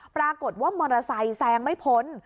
ปรากฏว่ามอเตอร์ไซค์แซงไม่พ้น